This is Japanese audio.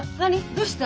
どうした？